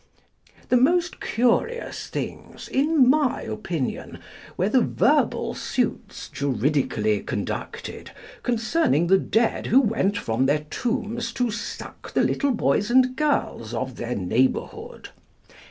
The most curious things, in my opinion, were the verbal suits juridically conducted, concerning the dead who went from their tombs to suck the little boys and girls of their neighborhood.